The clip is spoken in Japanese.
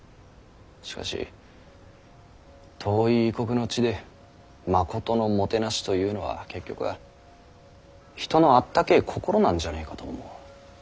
しかし遠い異国の地でまことのもてなしというのは結局は人のあったけぇ心なんじゃねえかと思う。